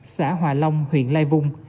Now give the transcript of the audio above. xã hòa long huyện lai vung